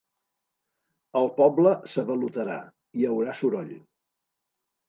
El poble s'avalotarà: hi haurà soroll.